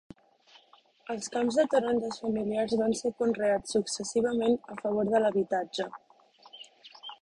Els camps de taronges familiars van ser conreats successivament a favor de l'habitatge.